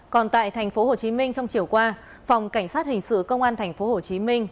còn tại tp hồ chí minh trong chiều qua phòng cảnh sát hình sự công an tp hồ chí minh